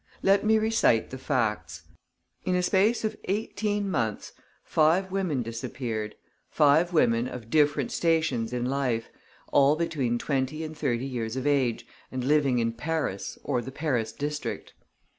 Let me recite the facts. In a space of eighteen months, five women disappeared, five women of different stations in life, all between twenty and thirty years of age and living in Paris or the Paris district.